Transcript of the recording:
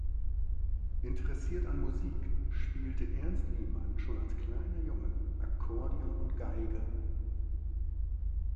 Interessiert an Musik spielte Ernst Wiemann schon als kleiner Junge Akkordeon und Geige.